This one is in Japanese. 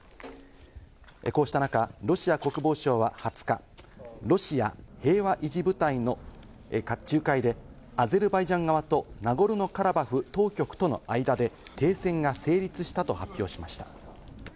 こうした中、ロシア国防省は２０日、ロシア平和維持部隊の仲介でアゼルバイジャン側とナゴルノカラバフ当局との間で停戦が成立したと発表しました。